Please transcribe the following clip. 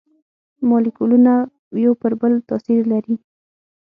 مالیکولونه یو پر بل تاثیر لري.